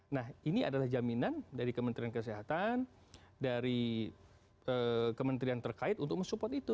nah ini adalah jaminan dari kementerian kesehatan dari kementerian terkait untuk mensupport itu